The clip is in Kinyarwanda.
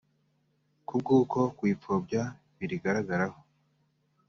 Ku bw’uko kuyipfobya birigaragaraho